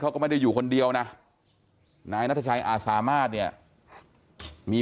เขาก็ไม่ได้อยู่คนเดียวนะนายนัทชัยอาสามารถเนี่ยมี